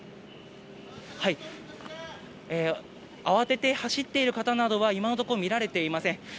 慌てて走っている方などは今のところ見られていません。